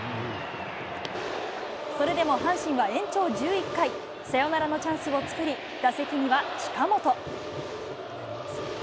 それでも阪神は延長１１回、サヨナラのチャンスを作り、打席には近本。